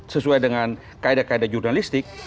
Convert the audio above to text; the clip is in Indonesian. sesuai dengan kaedah kaedah jurnalistik